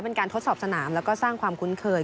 เป็นการทดสอบสนามแล้วก็สร้างความคุ้นเคย